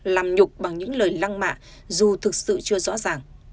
làm nhục bằng những lời lăng mạ dù thực sự chưa rõ ràng